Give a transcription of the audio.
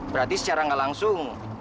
berarti secara nggak langsung